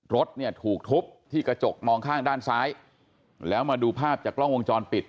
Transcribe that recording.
รถเนี่ยถูกทุบที่กระจกมองข้างด้านซ้ายแล้วมาดูภาพจากกล้องวงจรปิด